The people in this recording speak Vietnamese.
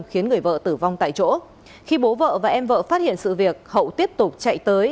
khiến người vợ tử vong tại chỗ khi bố vợ và em vợ phát hiện sự việc hậu tiếp tục chạy tới